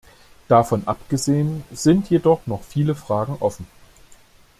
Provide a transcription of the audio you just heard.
Davon abgesehen sind jedoch noch viele Fragen offen.